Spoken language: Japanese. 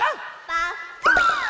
パッカーン！